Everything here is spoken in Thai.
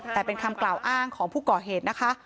แต่เป็นคำกล่าวอ้างของผู้ก่อเหตุนะคะ